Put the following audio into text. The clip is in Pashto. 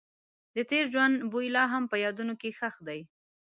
د تېر ژوند بوی لا هم په یادونو کې ښخ دی.